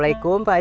tepuk tangan ya